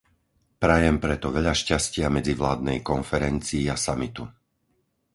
Prajem preto veľa šťastia medzivládnej konferencii a samitu!